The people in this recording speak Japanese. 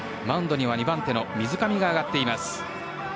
マウンドには２番手の水上が上がっています。